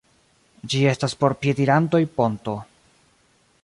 Ĝi estas por piedirantoj ponto.